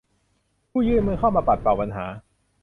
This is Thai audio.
มีผู้ยื่นมือเข้ามาปัดเป่าปัญหา